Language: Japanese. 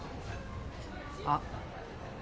あっ。